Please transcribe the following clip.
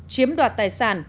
chiếm đoạt tài sản